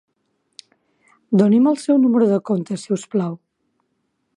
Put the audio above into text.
Doni'm el seu número de compte si us plau.